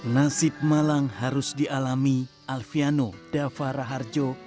nasi malang harus dialami alfiano davara harjo